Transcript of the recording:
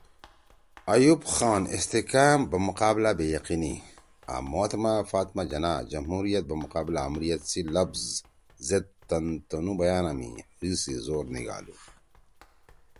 آیوب خان ”استحکام بمقابلہ بے یقینی“ آں محترمہ فاطمہ جناح ”جمہوریت بمقابلہ آمریت“ سی لفظ زید تن تنُو بیانا می حی سی زور نیِگھالُو